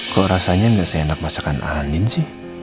kok rasanya gak se enak masakan andin sih